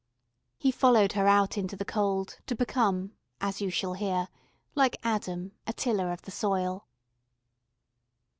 He followed her out into the cold, to become, as you shall hear, like Adam, a tiller of the soil.